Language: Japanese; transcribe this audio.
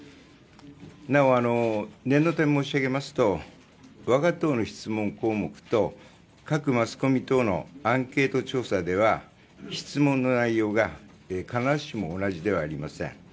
なお、念のため申し上げますと我が党の質問項目と各マスコミ等のアンケート調査では質問の内容が必ずしも同じではありません。